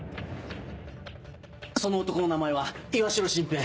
その男の名前は岩代晋平。